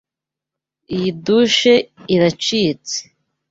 Iyi dushe iracitse.